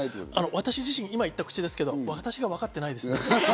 私自身、今言った口ですけど、私がわかってないです。